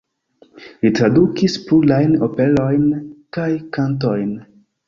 Li tradukis plurajn operojn kaj kantojn.